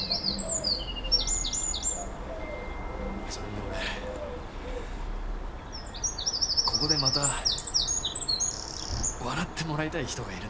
それに俺ここでまた笑ってもらいたい人がいるんだ。